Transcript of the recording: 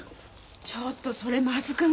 ちょっとそれまずくない？